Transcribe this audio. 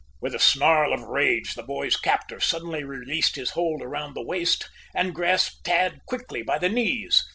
With a snarl of rage the boy's captor suddenly released his hold around the waist and grasped Tad quickly by the knees.